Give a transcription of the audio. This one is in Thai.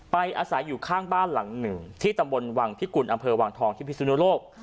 อาศัยอยู่ข้างบ้านหลังหนึ่งที่ตำบลวังพิกุลอำเภอวังทองที่พิสุนโลก